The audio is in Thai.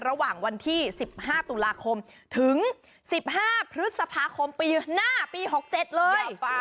ระหว่างวันที่๑๕ตุลาคมถึง๑๕พฤษภาคมปีหน้าปี๖๗เลย